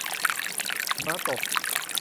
หิมะตก